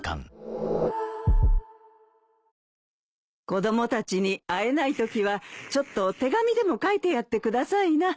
子供たちに会えないときはちょっと手紙でも書いてやってくださいな。